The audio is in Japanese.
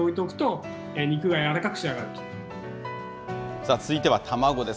さあ続いては卵です。